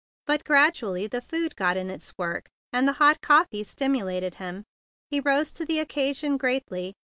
But gradually the food got in its work, and the hot coffee stimulated him. He rose to the occasion greatly.